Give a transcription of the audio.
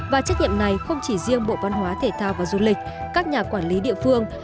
và trách nhiệm này không chỉ riêng bộ văn hóa thể thao và du lịch các nhà quản lý địa phương